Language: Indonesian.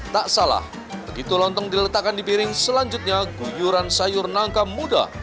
tak salah begitu lontong diletakkan di piring selanjutnya guyuran sayur nangka muda